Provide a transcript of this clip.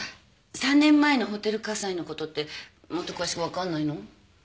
３年前のホテル火災のことってもっと詳しく分かんないの？